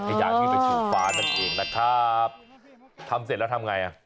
อยากให้ไปสู่ฟ้านั่นเองนะครับทำเสร็จแล้วทำไงอ่ะ